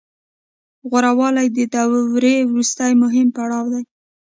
غوره والی د دورې وروستی مهم پړاو دی